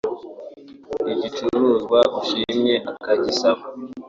igicuruzwa ushimye ukagisaba